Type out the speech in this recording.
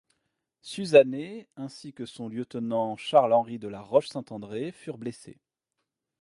Suzannet, ainsi que son lieutenant, Charles-Henri de la Roche-Saint-André, furent blessés.